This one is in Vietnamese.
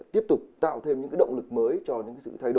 tiếp tục đắc cử